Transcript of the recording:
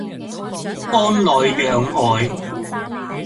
安內攘外